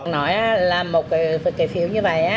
nói là một cái phiếu như vậy